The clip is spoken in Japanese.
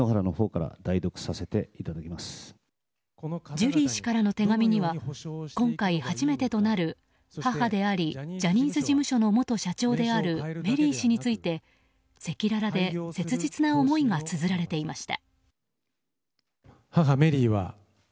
ジュリー氏からの手紙には今回初めてとなる母でありジャニーズ事務所の元社長であるメリー氏について赤裸々で切実な思いがつづられていました。